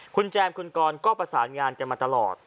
คุณแจมคุณกรก็ประสานงานกันมาตลอด